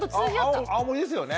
青森ですよね？